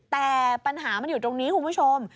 แต่ปัญหามันอยู่ตรงนี้คุณผู้ชม